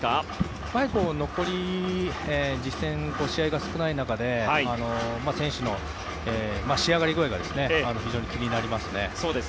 やはり残り、実戦試合が少ない中で選手の仕上がり具合が非常に気になりますね。